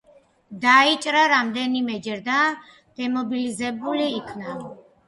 დაიჭრა რამდენიმეჯერ და დემობილიზებული იქნა.